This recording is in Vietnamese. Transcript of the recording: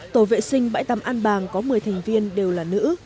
tổ vệ sinh bãi tắm an bàng có một mươi thành viên đều là nữ